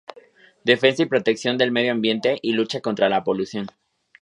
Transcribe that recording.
Defensa y protección del medio ambiente y lucha contra la polución.